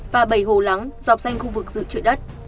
và bảy hồ lắng dọc danh khu vực dự trợ đất